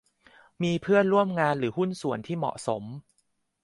มีเพื่อนร่วมงานหรือหุ้นส่วนที่เหมาะสม